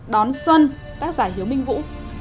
đón xuân tác giả hiếu minh vũ